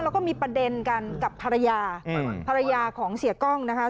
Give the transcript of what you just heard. แล้วก็มีประเด็นกันกับภรรยาภรรยาของเสียกล้องนะคะ